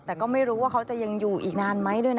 แต่ก็ไม่รู้ว่าเขาจะยังอยู่อีกนานไหมด้วยนะ